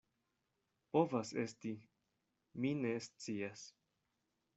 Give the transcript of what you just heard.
Povas esti, mi ne scias.